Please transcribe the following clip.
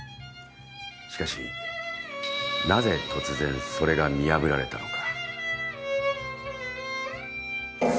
しかしなぜ突然それが見破られたのか？